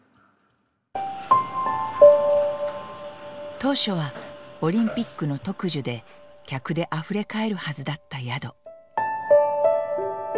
当初はオリンピックの特需で客であふれ返るはずだった宿。